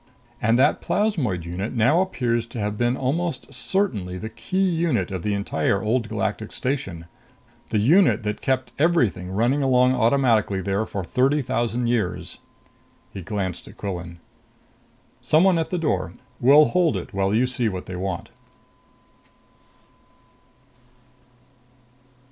"And that plasmoid unit now appears to have been almost certainly the key unit of the entire Old Galactic Station the unit that kept everything running along automatically there for thirty thousand years." He glanced at Quillan. "Someone at the door. We'll hold it while you see what they want."